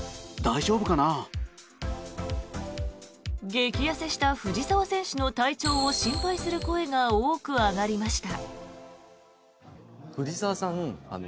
激痩せした藤澤選手の体調を心配する声が多く上がりました。